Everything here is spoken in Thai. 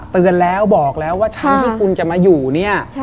เตือนแล้วบอกแล้วว่าช่วงที่คุณจะมาอยู่เนี่ย